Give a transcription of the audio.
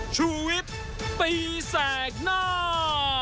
ชุวิตตีแสงหน้า